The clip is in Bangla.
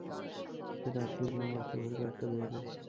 সেটা আটকে দিলেন বাক্সের ভেতরের একটা দেয়ালে।